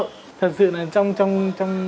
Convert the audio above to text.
có thể nói là cái nghề này không những vất vả mà còn